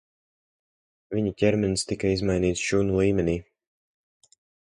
Viņa ķermenis tika izmainīts šūnu līmenī.